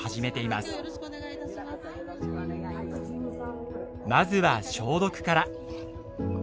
まずは消毒から。